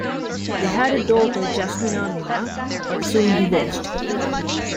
They had a daughter Jasmina-Mina, but soon divorced.